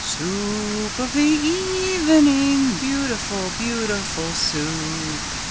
Soo oop of the e e evening, Beautiful, beautiful Soup!